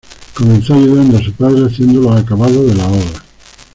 Comenzó ayudando a su padre haciendo los acabados de las obras.